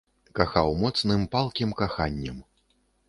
Кахаў моцным, палкім каханнем.